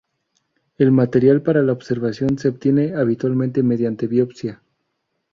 El material para la observación se obtiene habitualmente mediante biopsia.